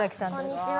こんにちは。